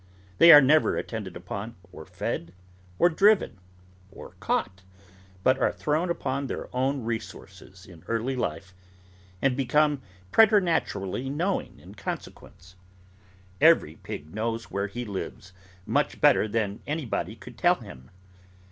They are never attended upon, or fed, or driven, or caught, but are thrown upon their own resources in early life, and become preternaturally knowing in consequence. Every pig knows where he lives, much better than anybody could tell him.